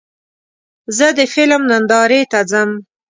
زه د فلم نندارې ته ځم.